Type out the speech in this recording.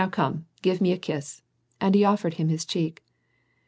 come, give me a kiss," and he offered him his cheek.